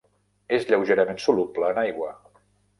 És lleugerament soluble en aigua.